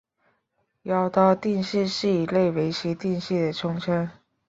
妖刀定式是一类围棋定式的统称。